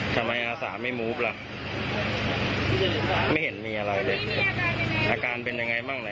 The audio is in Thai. เพราะผมเป็นนาสาน้ำมันก็เติมเอง